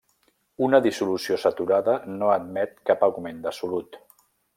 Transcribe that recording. Una dissolució saturada no admet cap augment de solut.